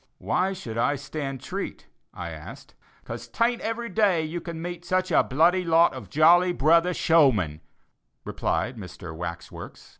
"Why should I stand treat?" I asked. "'Cause 'tain't every day you can meet such a bloody lot of jolly brother showmen," replied Mr. Wax works.